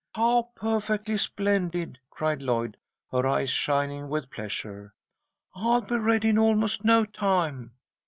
"How perfectly splendid!" cried Lloyd, her eyes shining with pleasure. "I'll be ready in almost no time."